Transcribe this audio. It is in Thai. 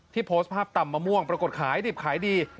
โพสต์ภาพตำมะม่วงปรากฏขายดิบขายดี